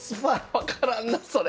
分からんなそれ！